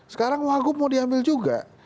sekarang wagub mau diambil juga